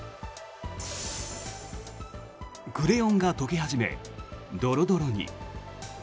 クレヨンが溶け始めドロドロに。